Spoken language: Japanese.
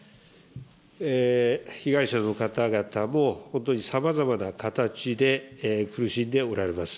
被害者の方々も、本当にさまざまな形で、苦しんでおられます。